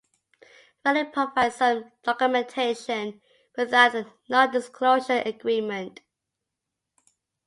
Ralink provides some documentation without a non-disclosure agreement.